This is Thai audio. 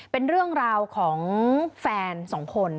เป็นเรื่องราวของแฟนสองคน